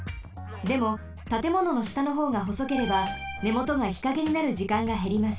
でもたてもののしたのほうがほそければねもとが日陰になるじかんがへります。